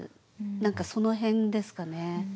何かその辺ですかね。